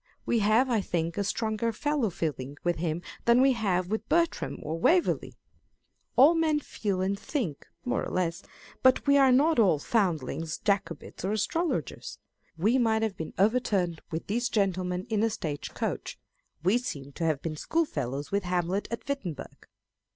We have, I think, a stronger fellow feeling with him than we have with Bertram or Waverley. All men feel and think, more or less : but we are not all foundlings, Jacobites, or astrologers. We might have been overturned with these gentlemen in a stage coach : we seem to have been schoolfellows with Hamlet at Wittenberg.